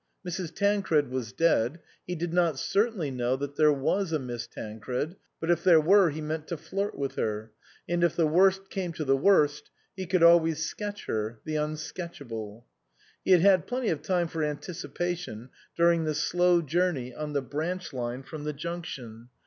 Mrs. Tancred was dead ; he did not certainly know that there was a Miss Tancred, but if there were he meant to flirt with her, and if the worst came to the worst he could always sketch her (the unsketchable !). He had had plenty of time for anticipation during the slow journey on the branch line from the junction.